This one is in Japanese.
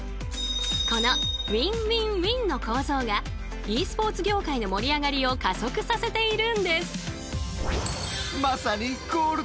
この「ＷＩＮ−ＷＩＮ−ＷＩＮ」の構造がｅスポーツ業界の盛り上がりを加速させているんです。